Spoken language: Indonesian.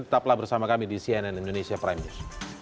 tetaplah bersama kami di cnn indonesia prime news